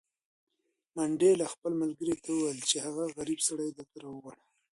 منډېلا خپل ملګري ته وویل چې هغه غریب سړی دلته راوغواړه.